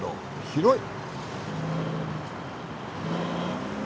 広い！